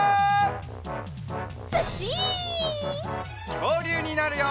きょうりゅうになるよ！